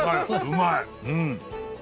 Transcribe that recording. うまい。